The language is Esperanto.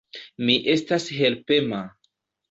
Mi estas helpema.